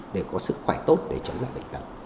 để có sức khỏe tốt để chống lại bệnh tật